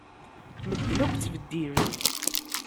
Medden akk ttbeddilen.